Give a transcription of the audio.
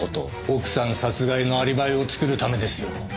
奥さん殺害のアリバイを作るためですよ。